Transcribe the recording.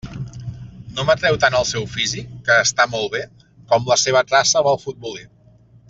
No m'atreu tant el seu físic, que està molt bé, com la seva traça amb el futbolí.